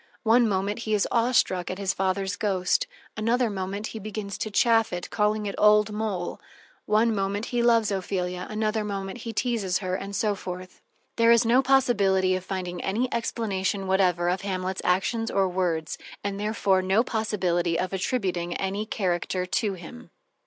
One moment he is awe struck at his father's ghost, another moment he begins to chaff it, calling it "old mole"; one moment he loves Ophelia, another moment he teases her, and so forth. There is no possibility of finding any explanation whatever of Hamlet's actions or words, and therefore no possibility of attributing any character to him.